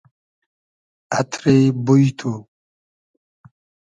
اتری بوی تو